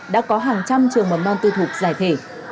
đã có hàng trăm trường mầm non tư thục giải thể